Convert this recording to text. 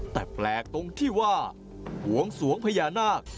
แต่แปลกตรงที่ว่าบวงสวงพญานาค